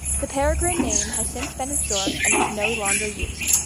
The Peregrine name has since been absorbed and is no longer used.